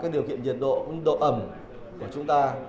điều kiện nhiệt độ ẩm của chúng ta